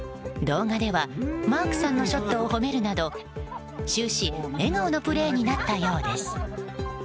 動画ではマークさんのショットを褒めるなど終始、笑顔のプレーになったようです。